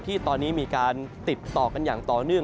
ที่ตอนนี้มีการติดต่อกันอย่างต่อเนื่อง